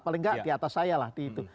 paling nggak di atas saya lah di itu